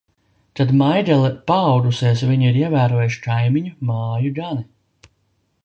Kad Maigele paaugusies, viņu ir ievērojuši kaimiņu māju gani.